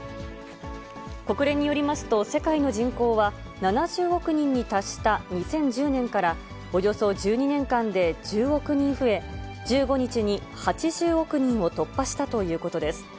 国連によりますと、世界の人口は、７０億人に達した２０１０年からおよそ１２年間で１０億人増え、１５日に８０億人を突破したということです。